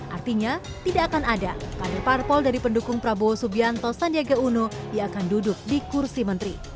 artinya tidak akan ada kader parpol dari pendukung prabowo subianto sandiaga uno yang akan duduk di kursi menteri